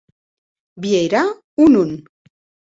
Vierà o non?